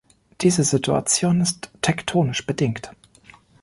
Diese Situation ist tektonisch bedingt.